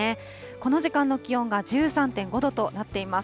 この時間の気温が１３．５度となっています。